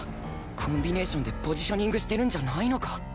コンビネーションでポジショニングしてるんじゃないのか？